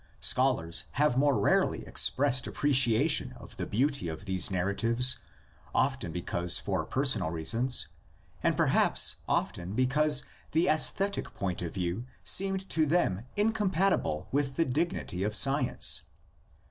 Scholars have more rarely expressed appreciation of the beauty of these nar ratives, often perhaps for personal reasons, and per haps often because the sesthetic point of view seemed to them incompatible with the dignity of science.